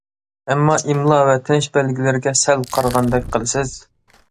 ئەمما، ئىملا ۋە تىنىش بەلگىلىرىگە سەل قارىغاندەك قىلىسىز.